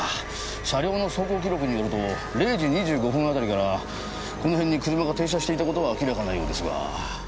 車両の走行記録によると０時２５分あたりからこの辺に車が停車していた事は明らかなようですが。